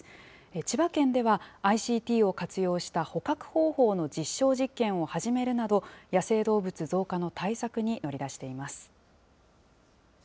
千葉県では、ＩＣＴを活用した捕獲方法の実証実験を始めるなど、野生動物増加の対策に乗り出しています。